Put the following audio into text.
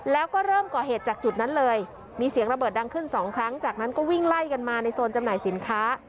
แล้วก็เริ่มก่อเหตุจากจุดนั้นเลยมีเสียงระเบิดดังขึ้นสองครั้งจากนั้นก็วิ่งไล่กันมาในโซนจำหน่ายสินค้า